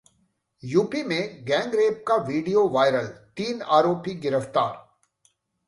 UP में gangrape का video viral, तीन आरोपी गिरफ्तार